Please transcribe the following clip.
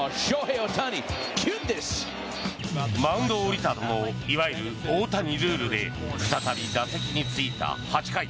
マウンドを降りたもののいわゆる大谷ルールで再び打席についた８回。